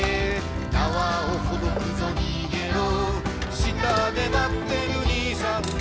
「縄をほどくぞ逃げろ」「下で待ってる兄さん」